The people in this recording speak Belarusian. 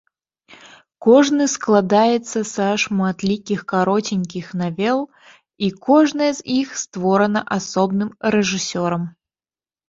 Кожны складаецца са шматлікіх кароценькіх навел, і кожная з іх створана асобным рэжысёрам.